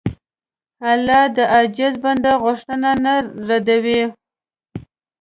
الله د عاجز بنده غوښتنه نه ردوي.